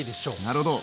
なるほど。